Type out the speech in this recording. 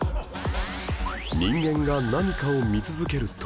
人間が何かを見続ける時